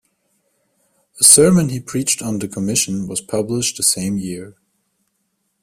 A sermon he preached on the commission was published the same year.